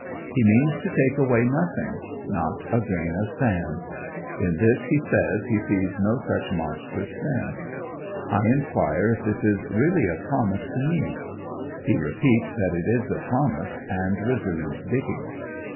He means to take away nothing not a grain of sand. In this he says he sees no such monstrous sin. I inquire if this is really a promise to me? He repeats that it is a promise, and resumes digging.